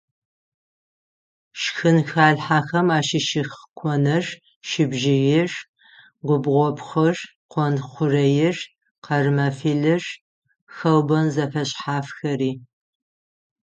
Шхынхалъхьэхэм ащыщых къоныр, щыбжьыир, губгъопхъыр, къонтхъурэир, къэрмэфилыр, хэубэн зэфэшъхьафхэри.